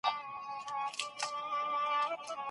خپل پلان په منظمه توګه تعقیب کړئ.